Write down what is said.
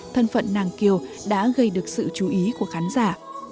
thân phận nàng kiều đã gây được sự chú ý của khán giả